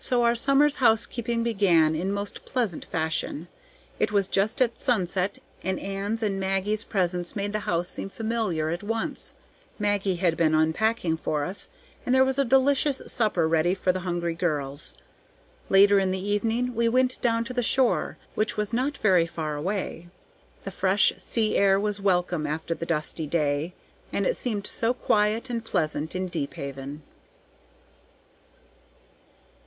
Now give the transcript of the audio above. So our summer's housekeeping began in most pleasant fashion. It was just at sunset, and Ann's and Maggie's presence made the house seem familiar at once. Maggie had been unpacking for us, and there was a delicious supper ready for the hungry girls. Later in the evening we went down to the shore, which was not very far away; the fresh sea air was welcome after the dusty day, and it seemed so quiet and pleasant in Deephaven.